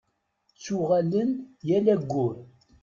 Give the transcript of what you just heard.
Ttuɣalen-d yal aggur.